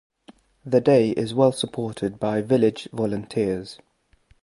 The day is well supported by village volunteers.